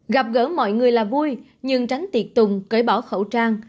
gặp gỡ mọi người là vui nhưng tránh tiệc tùng cởi bỏ khẩu trang